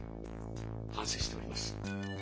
反省しております。